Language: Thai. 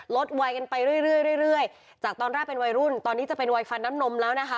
วัยกันไปเรื่อยเรื่อยจากตอนแรกเป็นวัยรุ่นตอนนี้จะเป็นวัยฟันน้ำนมแล้วนะคะ